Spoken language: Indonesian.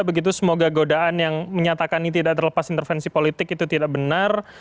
begitu semoga godaan yang menyatakan ini tidak terlepas intervensi politik itu tidak benar